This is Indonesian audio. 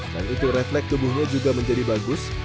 dan itu refleks tubuhnya juga menjadi bagus